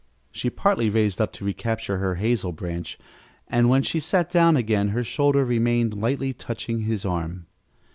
She partly raised up to recapture her hazel branch, and when she sat down again her shoulder remained lightly touching his arm.